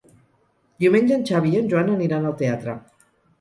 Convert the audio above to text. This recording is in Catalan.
Diumenge en Xavi i en Joan aniran al teatre.